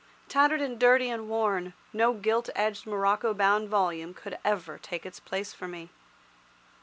Tattered and dirty and worn, no gilt edged morocco bound volume could ever take its place for me.